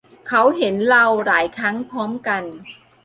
เขาเคยเห็นเราหลายครั้งพร้อมกัน